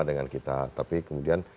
dengan kita tapi kemudian